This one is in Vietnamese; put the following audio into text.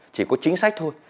chỉ có chính sách thôi